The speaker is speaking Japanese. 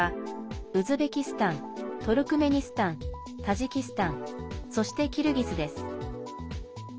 ウズベキスタントルクメニスタン、タジキスタンそしてキルギスです。